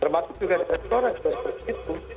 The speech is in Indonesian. termasuk juga restoran sudah seperti itu